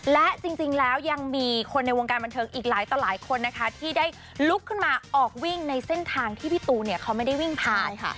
และจริงแล้วยังมีคนในวงการบันเทิงอีกหลายต่อหลายคนนะคะที่ได้ลุกขึ้นมาออกวิ่งในเส้นทางที่พี่ตูนเนี่ยเขาไม่ได้วิ่งผ่าน